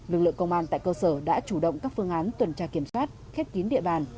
lực lượng công an tại cơ sở đã chủ động các phương án tuần tra kiểm soát khép kín địa bàn